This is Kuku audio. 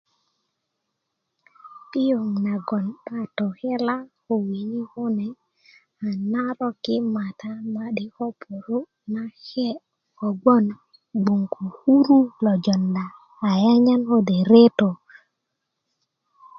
piöŋ nagon 'ba tokela ko wini kune a narok yi mata ma'di' ko puru' nake kogboŋ gboŋ ko kuru lo jonda ayanyan kode' retö